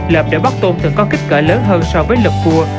lợp để bắt tôn thường có kích cỡ lớn hơn so với lợp cua